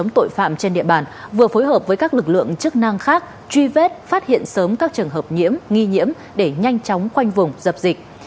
từ phối hợp với các lực lượng chức năng khác truy vết phát hiện sớm các trường hợp nhiễm nghi nhiễm để nhanh chóng quanh vùng dập dịch